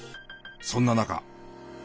そんな中。